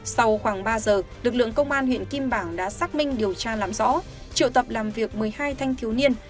sau khoảng ba giờ lực lượng công an huyện kim bảng đã xác minh điều tra làm rõ triệu tập làm việc một mươi hai thanh thiếu niên